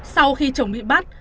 sau khi chồng bị bắt